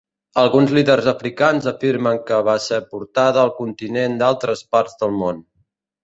Alguns líders africans afirmen que va ser portada al continent d'altres parts del món.